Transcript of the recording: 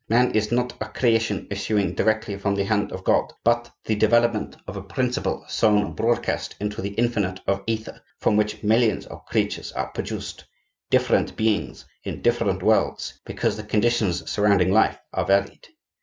Man is not a creation issuing directly from the hand of God; but the development of a principle sown broadcast into the infinite of ether, from which millions of creatures are produced,—differing beings in different worlds, because the conditions surrounding life are varied.